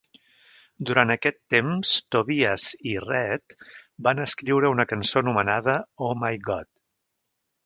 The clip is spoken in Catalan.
Durant aquest temps Tobias i Reed van escriure una cançó anomenada "Oh My God".